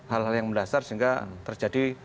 hal hal yang mendasar sehingga terjadi